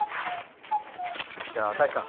じゃあ太一さん。